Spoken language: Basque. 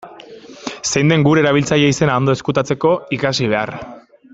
Zein den gure erabiltzaile-izena ondo ezkutatzeko, ikasi behar.